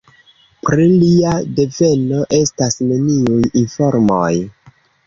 Pri lia deveno estas neniuj informoj.